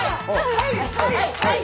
はいはいはい！